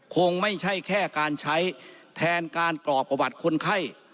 คงไม่ใช่แค่การใช้แทนการกรอกประวัติคนไข้